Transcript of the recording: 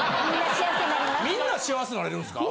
みんな幸せなれるんですか？